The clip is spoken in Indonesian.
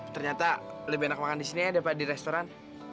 ternyata lebih enak makan di sini ya daripada di restoran